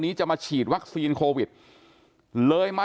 จนกระทั่งหลานชายที่ชื่อสิทธิชัยมั่นคงอายุ๒๙เนี่ยรู้ว่าแม่กลับบ้าน